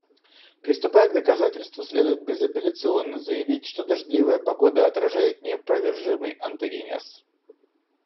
Приступая к доказательству следует безапелляционно заявить, что дождливая погода отражает неопровержимый онтогенез.